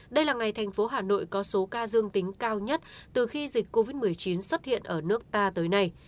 đây là ngày thành phố hà nội có số ca dương tính cao nhất từ khi dịch covid một mươi chín xuất hiện ở nước ta tới nay